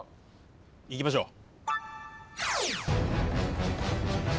・いきましょう。